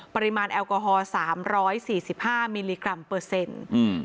ปริมาณแอลกอฮอล์สามร้อยสี่สิบห้ามิลลิกรัมเปอร์เซ็นต์อืม